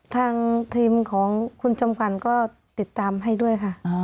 ทางทีมของคุณจำขวัญก็ติดตามให้ด้วยค่ะ